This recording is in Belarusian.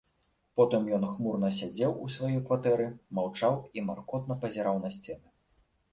Потым ён хмурна сядзеў у сваёй кватэры, маўчаў і маркотна пазіраў на сцены.